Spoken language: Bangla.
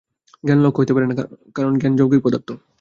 জ্ঞান লক্ষ্য হইতে পারে না, কারণ জ্ঞান যৌগিক পদার্থ।